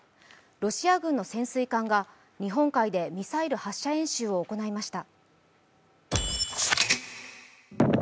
ロシア軍の潜水艦が日本海でミサイル発射演習を行いました。